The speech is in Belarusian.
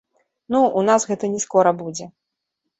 Ну, у нас гэта не скора будзе!